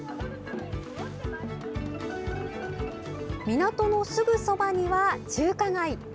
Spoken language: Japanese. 港のすぐそばには中華街。